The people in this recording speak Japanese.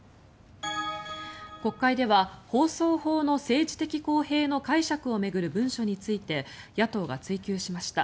国会では放送法の政治的公平の解釈を巡る文書について野党が追及しました。